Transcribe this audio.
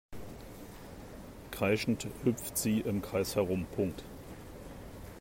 Kreischend hüpft sie im Kreis herum.